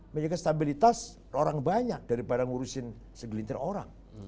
menjaga stabilitas orang banyak daripada ngurusin segelintir orang